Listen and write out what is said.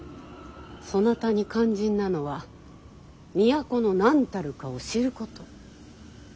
そなたに肝心なのは都の何たるかを知ること。